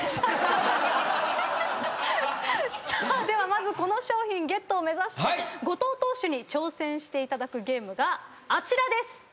ではまずこの商品ゲットを目指して後藤投手に挑戦していただくゲームがあちらです。